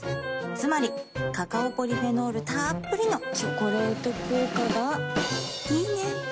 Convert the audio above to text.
つまりカカオポリフェノールたっぷりの「チョコレート効果」がいいね。